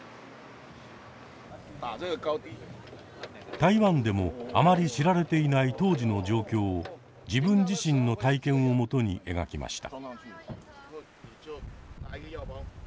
台湾でもあまり知られていない当時の状況を自分自身の体験をもとに描きました。